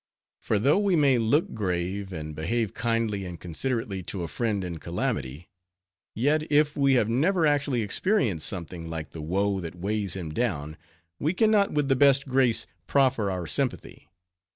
For though we may look grave and behave kindly and considerately to a friend in calamity; yet, if we have never actually experienced something like the woe that weighs him down, we can not with the best grace proffer our sympathy.